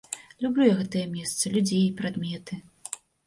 Люблю я гэтае месца, людзей, прадметы.